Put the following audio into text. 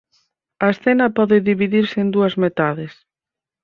A escena pode dividirse en dúas metades.